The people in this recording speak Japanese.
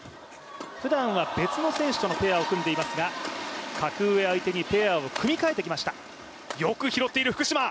普段は別の選手とのペアを組んでいますが格上相手にペアを組み替えてきました。